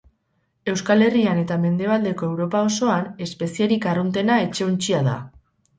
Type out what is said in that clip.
Euskal Herrian eta mendebaldeko Europa osoan, espezierik arruntena etxe-untxia da.